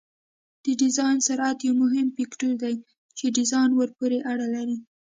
د ډیزاین سرعت یو مهم فکتور دی چې ډیزاین ورپورې اړه لري